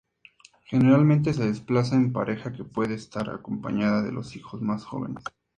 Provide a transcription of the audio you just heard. Generalmente se desplaza en pareja que puede estar acompañada de los hijos más jóvenes.